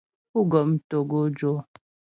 Pú gɔm togojò.